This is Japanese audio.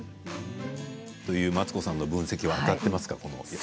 マツコさんの分析は当たっていますか？